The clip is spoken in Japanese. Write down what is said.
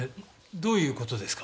どういう事ですか？